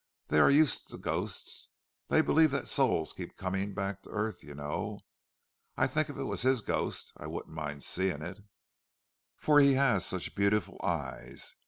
They are used to ghosts; they believe that souls keep coming back to earth, you know. I think if it was his ghost, I wouldn't mind seeing it—for he has such beautiful eyes.